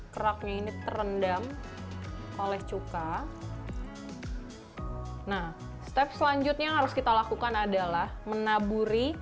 keraknya ini terendam oleh cuka nah step selanjutnya yang harus kita lakukan adalah menaburi